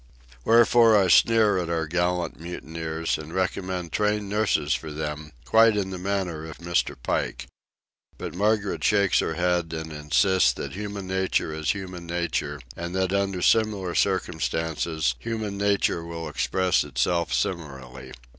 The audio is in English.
Wherefore I sneer at our gallant mutineers, and recommend trained nurses for them, quite in the manner of Mr. Pike. But Margaret shakes her head and insists that human nature is human nature, and that under similar circumstances human nature will express itself similarly.